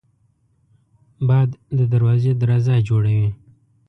باد د دروازې درزا جوړوي